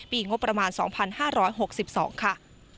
ปีงบประมาณ๒๕๖๒ค่ะ